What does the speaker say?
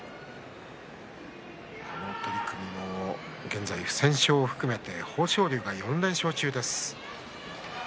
この取組も不戦勝を含めて豊昇龍が４連勝中です。